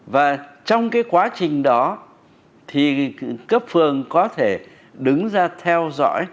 và trong cái quá trình đó thì cấp phường có thể đứng ra theo dõi